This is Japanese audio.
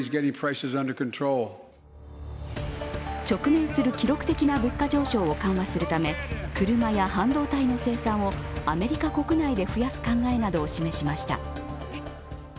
直面する記録的な物価上昇を緩和するため車や半導体の生産をアメリカ国内で増やす考えなどを示しました。